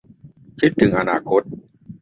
คิดถึงอนาคต